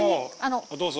どうぞ。